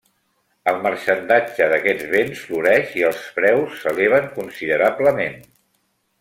El marxandatge d'aquests béns floreix i els preus s'eleven considerablement.